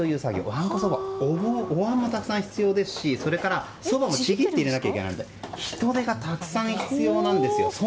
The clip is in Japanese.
わんこそばはおわんもたくさん必要ですしそれから、そばをちぎって入れなきゃいけないので人手がたくさん必要なんです。